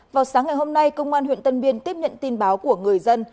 vào sáng ngày hôm nay công an huyện tân biên tiếp nhận tin báo của người dân